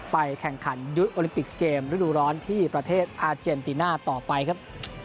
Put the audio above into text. แข่งขันยุทธ์โอลิมปิกเกมฤดูร้อนที่ประเทศอาเจนติน่าต่อไปครับ